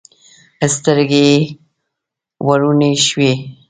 سترګې یې وروڼې شوې.